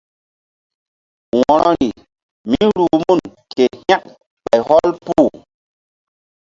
Wo̧rori míruh mun ke hȩk ɓay hɔl puh.